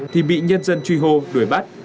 thì bị nhân dân truy hô đuổi bắt